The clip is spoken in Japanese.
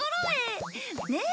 ねっ？